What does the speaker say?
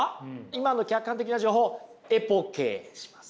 今の客観的な情報エポケーします。